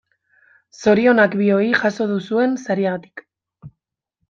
Zorionak bioi jaso duzuen sariagatik.